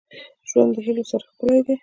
• ژوند د هيلو سره ښکلی دی.